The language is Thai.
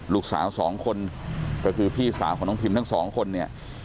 ลูกสาวสองคนก็คือพี่สาวของน้องพิมทั้งสองคนเนี่ย